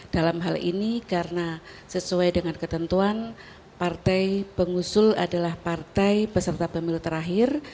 dalam hal ini karena sesuai dengan ketentuan partai pengusul adalah partai peserta pemilu terakhir